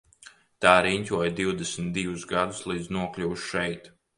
Tā riņķoja divdesmit divus gadus līdz nokļuva šeit.